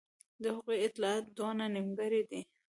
د هغوی اطلاعات دونه نیمګړي دي.